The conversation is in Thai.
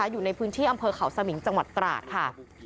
อยู่ในพื้นที่อำเภอเขาสมิงจังหวัดตราดค่ะ